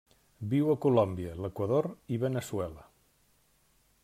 Viu a Colòmbia, l'Equador i Veneçuela.